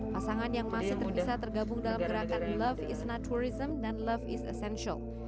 pasangan yang masih terpisah tergabung dalam gerakan love is not tourism dan love is essential